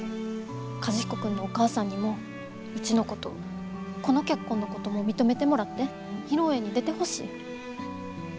和彦君のお母さんにもうちのことこの結婚のことも認めてもらって披露宴に出てほしい。